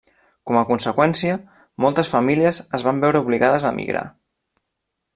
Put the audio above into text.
Com a conseqüència, moltes famílies es van veure obligades a emigrar.